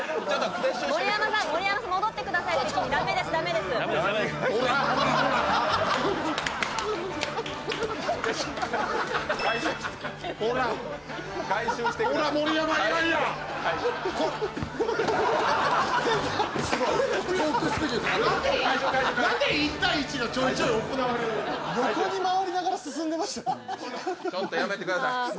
ちょっとやめてください